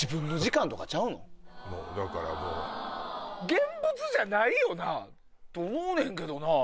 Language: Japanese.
現物じゃないよな！と思うねんけどな。